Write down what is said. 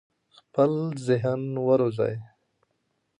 خپل ذهن وروزی.